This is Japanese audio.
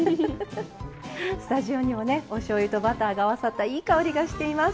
スタジオにもねおしょうゆとバターが合わさったいい香りがしています。